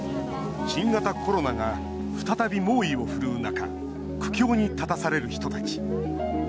新型コロナが再び猛威を振るう中苦境に立たされる人たち。